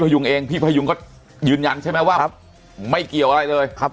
ยุงเองพี่พยุงก็ยืนยันใช่ไหมว่าไม่เกี่ยวอะไรเลย